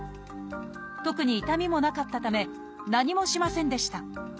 特に痛みもなかったため何もしませんでした。